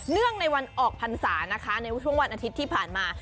งในวันออกพรรษานะคะในช่วงวันอาทิตย์ที่ผ่านมา